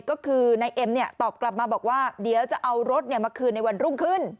ก็คือนายเอ็มตอบกลับมาบอกว่าเดี๋ยวจะเอารถมาคืนในวันรุ่งขึ้น